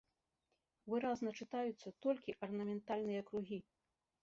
Выразна чытаюцца толькі арнаментальныя кругі.